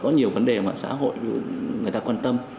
có nhiều vấn đề mà xã hội người ta quan tâm